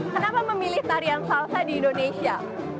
kenapa memilih tarian salsa di indonesia